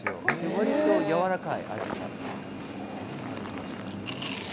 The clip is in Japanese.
割と味がやわらかい。